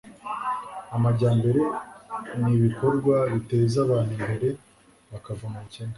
Amajyambere ni ibikorwa biteza abantu imbere bakava mu bukene.